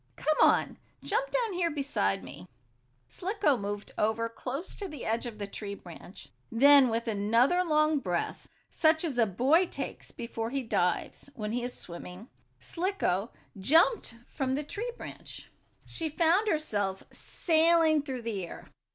"Come on; jump down here beside me!" Slicko moved over close to the edge of the tree branch. Then, with another long breath, such as a boy takes before he dives, when he is in swimming, Slicko jumped from the tree branch. She found herself sailing through the air.